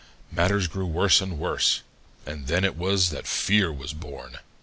Matters grew worse and worse, and then it was that fear was born.